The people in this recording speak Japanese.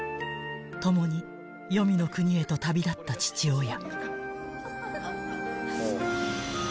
［共に黄泉の国へと旅立った父親］